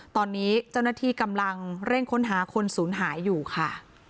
ตอนนี้เจ้าหน้าที่กำลังเร่งค้นหาคนศูนย์หายอยู่ค่ะ